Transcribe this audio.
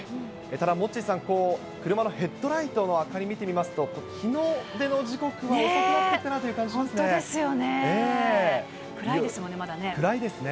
ただモッチーさん、こう、車のヘッドライトの明かり見てみますと、日の出の時刻が遅くなってきたなという感じしますね。